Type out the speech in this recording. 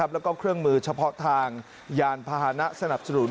แล้วก็เครื่องมือเฉพาะทางยานพาหนะสนับสนุน